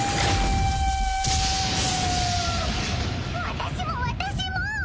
私も私も！